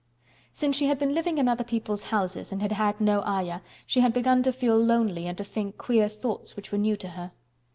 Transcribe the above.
Since she had been living in other people's houses and had had no Ayah, she had begun to feel lonely and to think queer thoughts which were new to her.